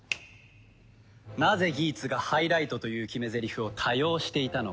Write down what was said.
なぜギーツが「ハイライト」という決めゼリフを多用していたのか。